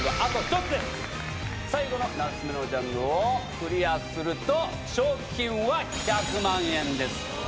最後の７つ目のジャンルをクリアすると賞金は１００万円です。